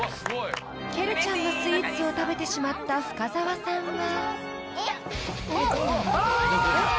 ［ケルちゃんのスイーツを食べてしまった深澤さんは］